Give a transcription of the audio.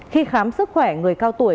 khi khám sức khỏe người cao tuổi